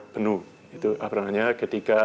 penuh itu apakah ketika